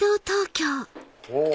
おぉ！